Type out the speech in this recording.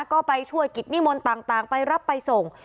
ก็ไปช่วยกิจนิมนต์ต่างไปรับไปส่ง